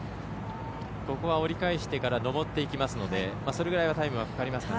折り返してから上っていくのでそれぐらいタイムはかかりますね。